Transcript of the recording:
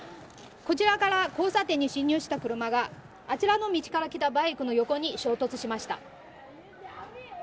こちらから交差点に進入した車があちらの道から来たバイクの横に衝突しました。